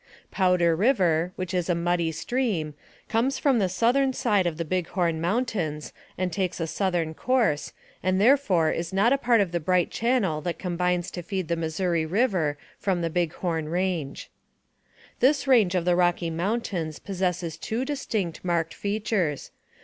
Powder River, which is a muddy stream, comes from the southern side of the Big Horn Mountains, and takes a southwestern course, and therefore is not a part of the bright channel that combines to feed the Missouri River from the Big Horn range. AMONG THE SIOUX INDIANS. 63 This range of the Rocky Mountains possesses two distinct, marked features.